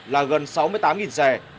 là gần sáu mươi tám xe